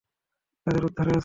তাদের উদ্ধারে আছি।